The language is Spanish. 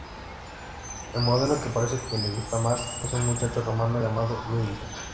El modelo que parece que le gusta más, es un muchacho romano llamado Luigi.